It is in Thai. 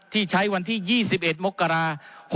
ที่ใช้วันที่๒๑มกรา๖๖